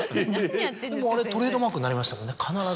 でもあれトレードマークになりましたもんね必ず。